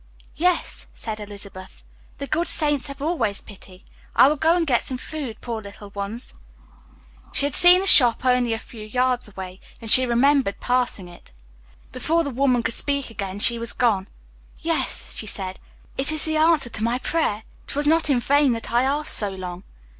"Yes," said Elizabeth, "the good Saints have always pity. I will go and get some food poor little ones." She had seen a shop only a few yards away she remembered passing it. Before the woman could speak again she was gone. "Yes," she said, "I was sent to them it is the answer to my prayer it was not in vain that I asked so long."